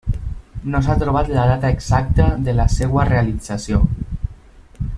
No s'ha trobat la data exacta de la seva realització.